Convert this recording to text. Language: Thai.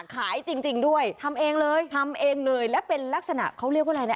ขายจริงจริงด้วยทำเองเลยทำเองเลยและเป็นลักษณะเขาเรียกว่าอะไรนะ